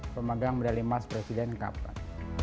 pemegang medali emas presiden kapan